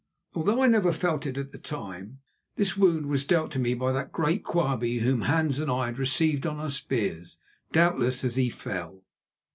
Although I never felt it at the time, this wound was dealt to me by that great Quabie whom Hans and I had received upon our spears, doubtless as he fell.